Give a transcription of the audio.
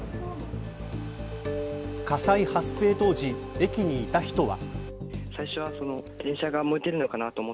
火災発生当時駅にいた人は。